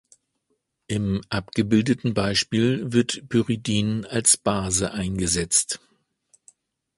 Im abgebildeten Beispiel wird Pyridin als Base eingesetzt.